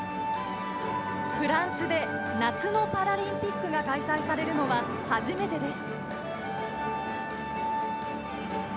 フランスで夏のパラリンピックが開催されるのは初めてです。